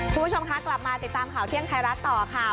คุณผู้ชมคะกลับมาติดตามข่าวเที่ยงไทยรัฐต่อค่ะ